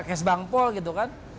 kesbangpol gitu kan